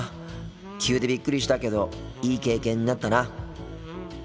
急でびっくりしたけどいい経験になったな。